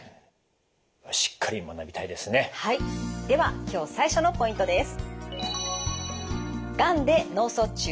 では今日最初のポイントです。